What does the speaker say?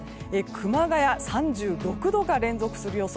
熊谷、３６度が連続する予想。